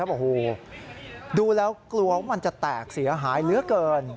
บอกโหดูแล้วกลัวว่ามันจะแตกเสียหายเหลือเกิน